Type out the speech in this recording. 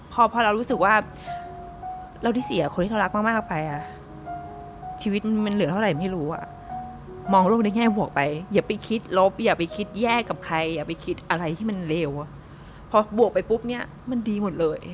พ่อรักมากออกไปอ่ะชีวิตมันเหลือเท่าไหร่ไม่รู้อ่ะมองโลกได้แง่บวกไปอย่าไปคิดรบอย่าไปคิดแย่กับใครอย่าไปคิดอะไรที่มันเลวอ่ะพอบวกไปปุ๊บเนี่ยมันดีหมดเลย